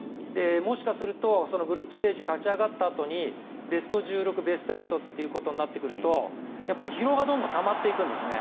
もしかするとグループステージを勝ち上がったあとにベスト１６、ベスト８ということになってくると披露がどんどんたまっていくんですね。